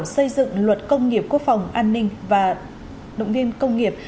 xây dựng luật công nghiệp quốc phòng an ninh và động viên công nghiệp